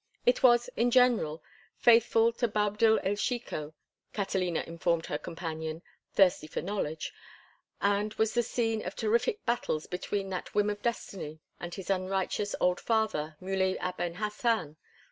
It was, in general, faithful to Boabdil el Chico, Catalina informed her companion, thirsty for knowledge, and was the scene of terrific battles between that whim of destiny and his unrighteous old father Muley Aben Hassan.